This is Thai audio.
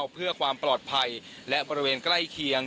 เพื่อความปลอดภัยและบริเวณใกล้เคียง